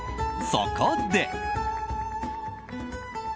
そこで。